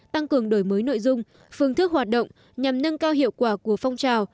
tăng cường đổi mới nội dung phương thức hoạt động nhằm nâng cao hiệu quả của phong trào